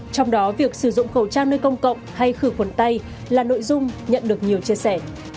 trong đó việc sử dụng khẩu trang nơi công cộng hay khử khuẩn tay là nội dung nhận được nhiều chia sẻ